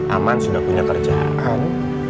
aman sudah punya kerjaan